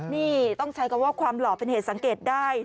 นี่ต้องใช้คำว่าความหล่อเป็นเหตุสังเกตได้